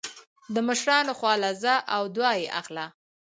د مشرانو خوا له ځه او دعا يې اخله